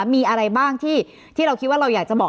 มีอะไรบ้างที่เราคิดว่าเราอยากจะบอก